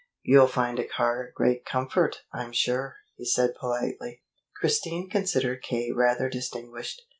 "You'll find a car a great comfort, I'm sure," he said politely. Christine considered K. rather distinguished.